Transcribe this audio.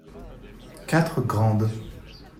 Quatre grandes.